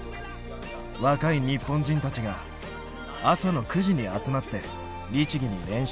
若い日本人たちが朝の９時に集まって律儀に練習していた。